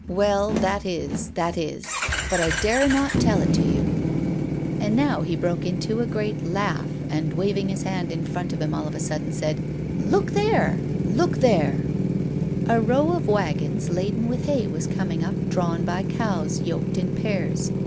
Well, that is that is but I dare not tell it to you!" And now he broke into a great laugh, and waving his hand in front of him all of a sudden said: "Look there!" A row of wagons laden with hay was coming up drawn by cows yoked in pairs.